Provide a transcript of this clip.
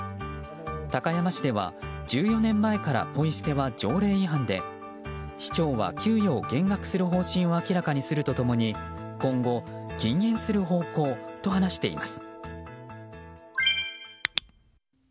高山市では、１４年前からポイ捨ては条例違反で市長は給与を減額する方針を明らかにすると共に今後、禁煙する方向と話しています。